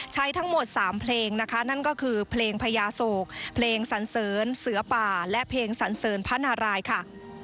ทั้งหมด๓เพลงนะคะนั่นก็คือเพลงพญาโศกเพลงสันเสริญเสือป่าและเพลงสันเสริญพระนารายค่ะ